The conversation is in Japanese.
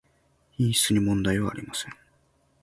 品質にはもんだいありません